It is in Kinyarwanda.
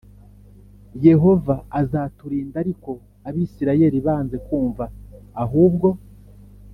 Yehova azaturinda ariko abisirayeli banze kumva ahubwo